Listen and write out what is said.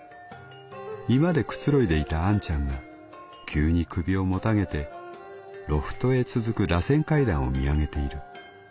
居間でくつろいでいたあんちゃんが急に首をもたげてロフトへ続く螺旋階段を見上げている。